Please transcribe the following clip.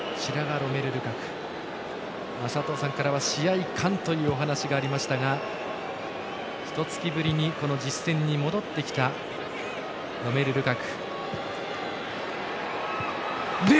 佐藤さんからは試合勘というお話がありましたがひとつきぶりに実戦に戻ってきたロメル・ルカク。